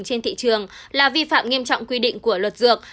trên thị trường là vi phạm nghiêm trọng quy định của luật dược